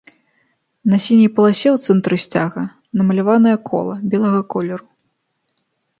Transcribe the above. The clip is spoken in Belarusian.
На сіняй паласе ў цэнтры сцяга намаляванае кола белага колеру.